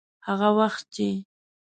هغه وخت چې.